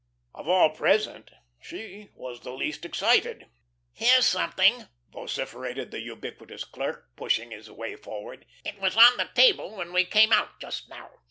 Of all present she was the least excited. "Here's something," vociferated the ubiquitous clerk, pushing his way forward. "It was on the table when we came out just now.